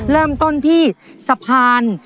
เริ่มต้นที่สะพาน